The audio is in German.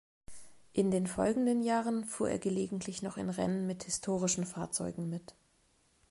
In den folgenden Jahren fuhr er gelegentlich noch in Rennen mit historischen Fahrzeugen mit.